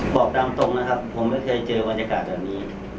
บอกตามตรงนะครับผมไม่เคยเจอบรรยากาศแบบนี้